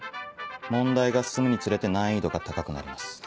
問題が進むにつれて難易度が高くなります。